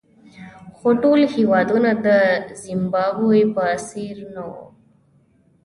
خو ټول هېوادونه د زیمبابوې په څېر نه وو.